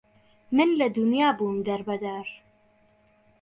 من لە دونیا بوم دەر بەدەر